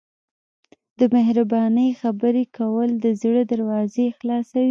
د مهربانۍ خبرې کول د زړه دروازې خلاصوي.